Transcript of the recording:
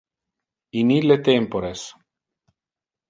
In ille tempores.